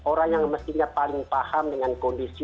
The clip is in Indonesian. orang yang mestinya paling paham dengan kondisi